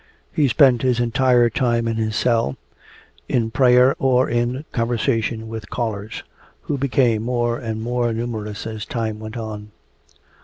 He spent his entire time in his cell, in prayer or in conversation with callers, who became more and more numerous as time went on.